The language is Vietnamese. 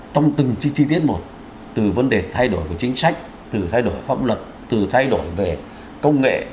trong từng chi tiết một từ vấn đề thay đổi của chính sách từ thay đổi pháp luật từ thay đổi về công nghệ